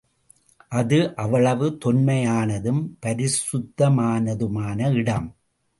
அது அவ்வளவு தொன்மையானதும் பரிசுத்தமானதுமான இடம்.